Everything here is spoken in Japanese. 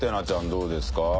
どうですか？